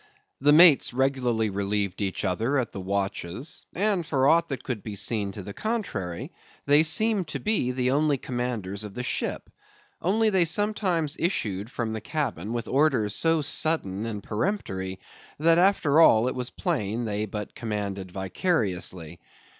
The mates regularly relieved each other at the watches, and for aught that could be seen to the contrary, they seemed to be the only commanders of the ship; only they sometimes issued from the cabin with orders so sudden and peremptory, that after all it was plain they but commanded vicariously.